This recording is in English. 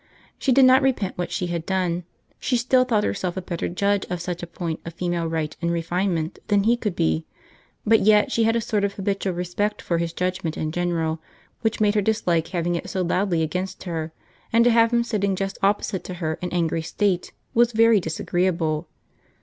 She did not repent what she had done; she still thought herself a better judge of such a point of female right and refinement than he could be; but yet she had a sort of habitual respect for his judgment in general, which made her dislike having it so loudly against her; and to have him sitting just opposite to her in angry state, was very disagreeable.